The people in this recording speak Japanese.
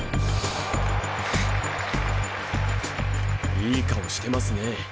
いい顔してますね。